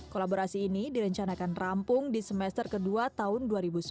kolaborasi ini direncanakan rampung di semester kedua tahun dua ribu sembilan belas